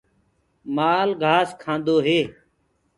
مآل گھآس جآم کآندو هي۔